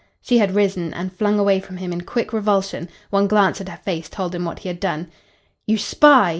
She had risen and flung away from him in quick revulsion. One glance at her face told him what he had done. "You spy!"